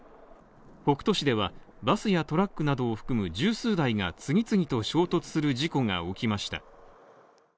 北斗市では、バスやトラックなどを含む十数台が次々と衝突する事故が起きました。